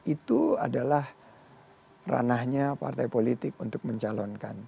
itu adalah ranahnya partai politik untuk mencalonkan